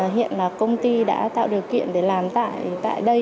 hiện là công ty đã tạo điều kiện để làm tại đây thì là rất là tiện lợi